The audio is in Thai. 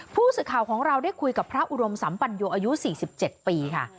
ผู้สื่อข่าวของเราได้คุยกับพระอุดมสัมปัญโยอายุ๔๗ปีค่ะ